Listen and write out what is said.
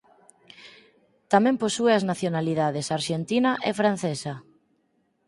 Tamén posúe as nacionalidades arxentina e francesa.